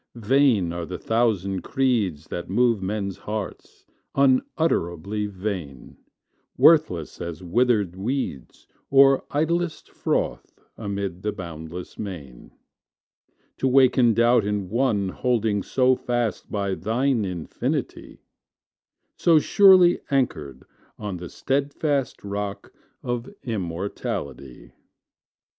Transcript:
Vain are the thousand creeds That move men's hearts unutterably vain; Worthless as withered weeds, Or idlest froth amid the boundless main, To waken doubt in one Holding so fast by Thine infinity; So surely anchored on The steadfast rock of immortality.